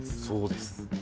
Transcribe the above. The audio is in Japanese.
そうです